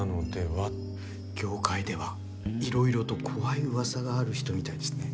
業界ではいろいろと怖いうわさがある人みたいですね。